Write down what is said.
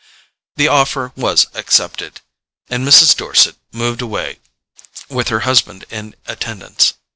The offer was accepted, and Mrs. Dorset moved away with her husband in attendance.